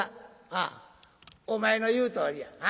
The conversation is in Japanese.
「ああお前の言うとおりやな。